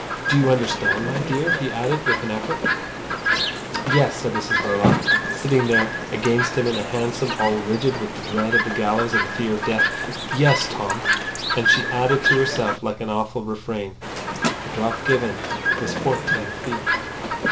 Do you understand, my dear?" he added, with an effort. "Yes," said Mrs Verloc, sitting there against him in the hansom all rigid with the dread of the gallows and the fear of death. "Yes, Tom." And she added to herself, like an awful refrain: "The drop given was fourteen feet."